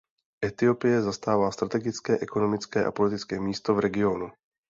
Etiopie zastává strategické ekonomické a politické místo v regionu.